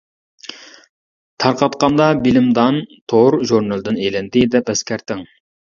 تارقاتقاندا بىلىمدان تور ژۇرنىلىدىن ئېلىندى دەپ ئەسكەرتىڭ.